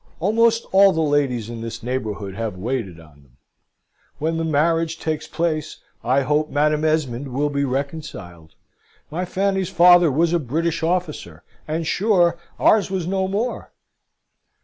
Almost all the ladies in this neighbourhood have waited on them. When the marriage takes place, I hope Madam Esmond will be reconciled. My Fanny's father was a British officer; and sure, ours was no more.